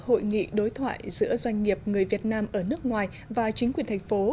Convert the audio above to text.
hội nghị đối thoại giữa doanh nghiệp người việt nam ở nước ngoài và chính quyền thành phố